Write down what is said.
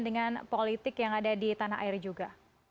dengan politik yang ada di tanah air juga